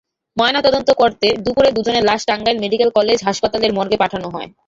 ময়নাতদন্ত করতে দুপুরে দুজনের লাশ টাঙ্গাইল মেডিকেল কলেজ হাসপাতালের মর্গে পাঠানো হয়।